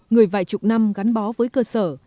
người vài chục năm gắn bó với cơ sở